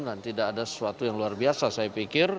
dan tidak ada sesuatu yang luar biasa saya pikir